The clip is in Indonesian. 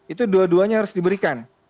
itu dua duanya harus diberikan